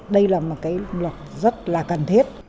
đây là một cái luật rất là cần thiết